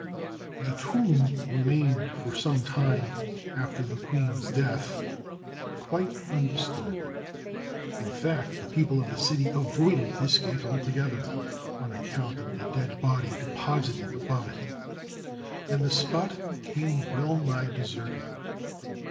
The tomb remained for some time after the queen's death quite imdisturbed. In fact, the people of the city avoided this gate altogether, on account of the dead body deposited above it, and the spot became well nigh deserted.